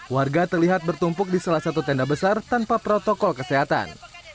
warga terlihat bertumpuk di salah satu tenda besar tanpa protokol kesehatan